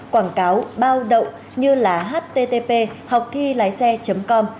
quảng cáo bao đậu như là http họcthiláixe com